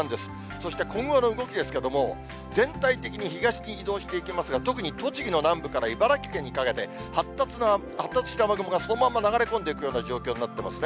そして今後の動きですけども、全体的に東に移動していきますが、特に栃木の南部から茨城県にかけて、発達した雨雲がそのまんま流れ込んでいくような状況になっていますね。